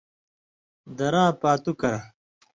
دراں پاتُو کرہ